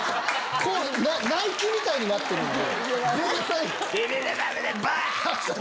ナイキみたいになってるんで。